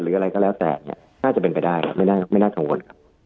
หรืออะไรก็แล้วแต่น่าจะเป็นไปได้ไม่น่าจังหวน